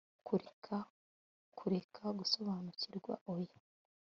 kureka kureka, gusobanukirwa oya